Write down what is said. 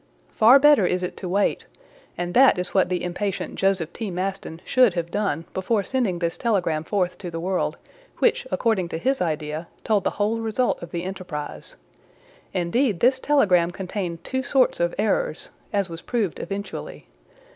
Far better is it to wait; and that is what the impatient Joseph T. Maston should have done before sending this telegram forth to the world, which, according to his idea, told the whole result of the enterprise. Indeed this telegram contained two sorts of errors, as was proved eventually.